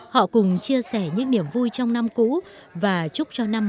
họ cùng chia sẻ những niềm vui trong năm cũ